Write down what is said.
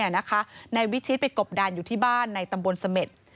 นายวิชิตไปกบดานอยู่ที่บ้านในตำบลเสม็ด